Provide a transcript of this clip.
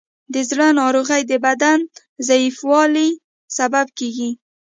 د زړه ناروغۍ د بدن ضعیفوالی سبب کېږي.